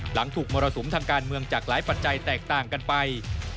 หลังถูกมรสุมทางการเมืองจากหลายปัจจัยแตกต่างกันไป